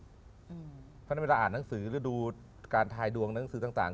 เพราะฉะนั้นเวลาอ่านหนังสือหรือดูการทายดวงหนังสือต่าง